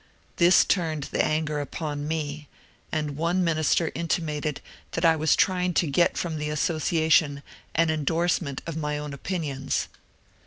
This turned the anger upon me, and one min ister intimated that I was trying to get from the association an endorsement of my own opinions.